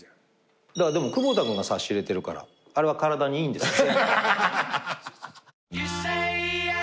でも窪田君が差し入れてるからあれは体にいいんですよ。